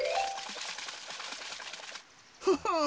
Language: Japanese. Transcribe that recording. フフン